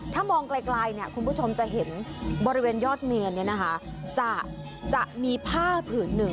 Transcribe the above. ถ้ามองไกลคุณผู้ชมจะเห็นบริเวณยอดเมนจะมีผ้าผืนหนึ่ง